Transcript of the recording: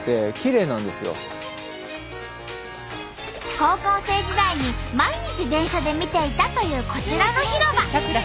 高校生時代に毎日電車で見ていたというこちらの広場。